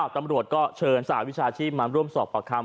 ตำรวจก็เชิญสหวิชาชีพมาร่วมสอบปากคำ